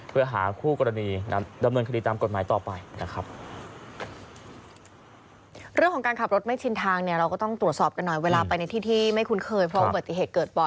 เพื่อหาคู่กรณีดำเนินคดีตามกฎหมายต่อไปนะครับ